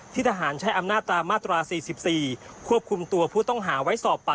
ที่ทหารใช้อำนาจตามมาตร๔๙